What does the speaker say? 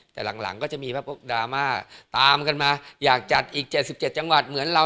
แต่หลังก็จะมีพวกดราม่าตามกันมาอยากจัดอีก๗๗จังหวัดเหมือนเรา